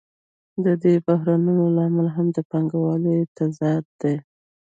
د دې بحرانونو لامل هم د پانګوالۍ تضاد دی